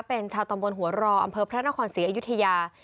เป็นชาวตำบลหัวรออำเภอพระนครศรีอยุธยา